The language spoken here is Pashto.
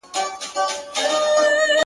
له هر کونجه یې جلا کول غوښتنه!